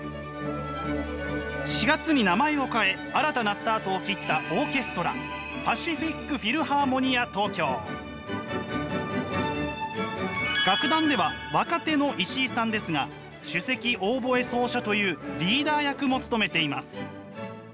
４月に名前を変え新たなスタートを切ったオーケストラ楽団では若手の石井さんですが首席オーボエ奏者というリーダー役も務めています。